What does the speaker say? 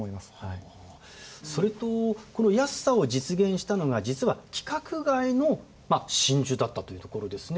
それとこの安さを実現したのが実は規格外の真珠だったというところですね。